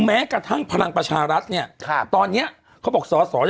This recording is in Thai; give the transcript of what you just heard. แม้กระทั่งพลังประชารัฐเนี่ยตอนเนี้ยเขาบอกสอสอ